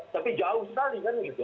tapi jauh sekali kan gitu